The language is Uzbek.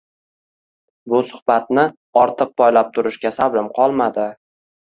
Bu suhbatni ortiq poylab turishga sabrim qolmadi